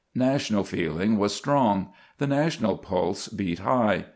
National feeling was strong; the national pulse beat high.